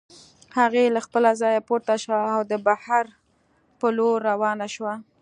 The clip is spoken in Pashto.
هغې له خپله ځايه پورته شوه او د بهر په لور روانه شوه.